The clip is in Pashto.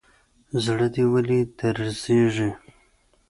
زړه دي ولي درزيږي.